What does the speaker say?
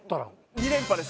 ２連覇です